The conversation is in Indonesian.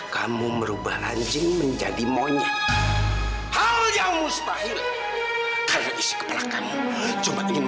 kamu masih bicara macam macam sama saya